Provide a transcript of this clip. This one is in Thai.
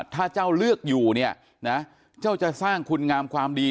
ถ้าเจ้าเลือกอยู่เนี่ยนะเจ้าจะสร้างคุณงามความดี